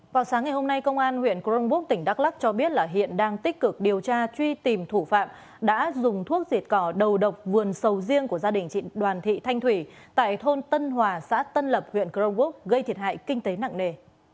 vào sáng ngày hôm nay công an huyện crongbuk tỉnh đắk lắc cho biết hiện đang tích cực điều tra truy tìm thủ phạm đã dùng thuốc diệt cỏ đầu độc vườn sầu riêng của gia đình chị đoàn thị thanh thủy tại thôn tân hòa xã tân lập huyện crongbuk gây thiệt hại kinh tế nặng nề